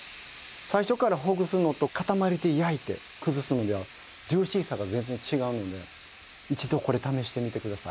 最初からほぐすのと塊で焼いて崩すのではジューシーさが全然違うので一度これ試してみてください。